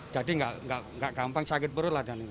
jadi nggak gampang sakit perut lah